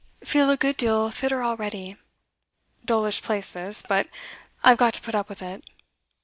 Feel a good deal fitter already. Dullish place this, but I've got to put up with it.